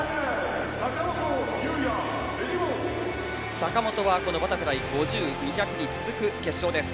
阪本はバタフライ５０、２００に続く決勝です。